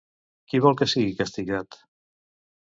Qui vol que sigui castigat?